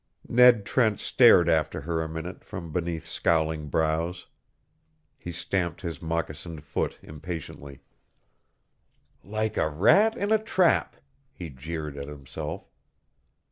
Ned Trent stared after her a minute from beneath scowling brows. He stamped his moccasined foot impatiently. "Like a rat in a trap!" he jeered at himself.